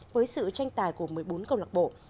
với sự tranh tài của một mươi bốn câu lạc bộ